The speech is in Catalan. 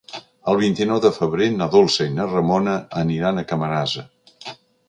El vint-i-nou de febrer na Dolça i na Ramona aniran a Camarasa.